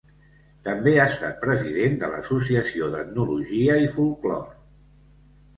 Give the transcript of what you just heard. També ha estat president de l'Associació d'Etnologia i Folklore.